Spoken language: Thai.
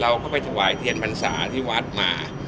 เราก็ไปสวายเถียนพันธุ์สหรี่วัฒน์มา